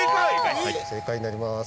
正解になります。